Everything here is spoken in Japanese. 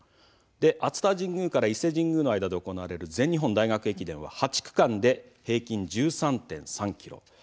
熱田神宮から伊勢神宮の間で行われる全日本大学駅伝は８区間で平均１３．３ｋｍ。